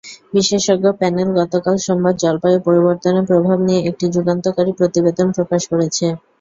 বিশেষজ্ঞ প্যানেল গতকাল সোমবার জলবায়ু পরিবর্তনের প্রভাব নিয়ে একটি যুগান্তকারী প্রতিবেদন প্রকাশ করেছে।